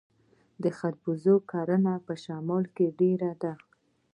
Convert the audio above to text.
د خربوزې کرنه په شمال کې ډیره ده.